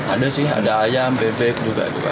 ada sih ada ayam bebek juga